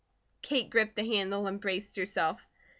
Kate gripped the handle and braced herself.